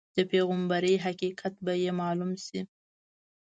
د پیغمبرۍ حقیقت به یې معلوم شي.